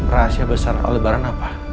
rahasia besar aldebaran apa